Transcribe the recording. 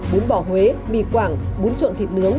bún bò huế mì quảng bún trộn thịt nướng